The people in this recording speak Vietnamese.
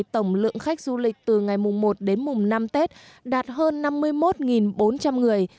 tổng lượng khách du lịch từ ngày mùng một đến mùng năm tết đạt hơn năm mươi một bốn trăm linh người